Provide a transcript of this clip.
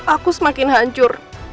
aku semakin hancur